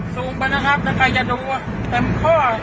ซูมไปนะครับถ้าใครจะดูเต็มข้อ